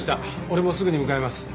俺もすぐに向かいます。